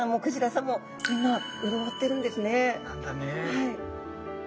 はい。